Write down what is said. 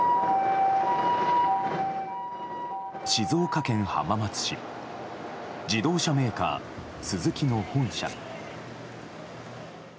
静岡県浜松市自動車メーカー、スズキの本社。